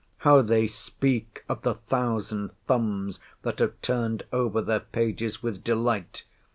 How they speak of the thousand thumbs, that have turned over their pages with delight!